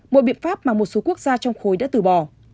một biện pháp mà một số quốc gia trong khối đã từ bỏ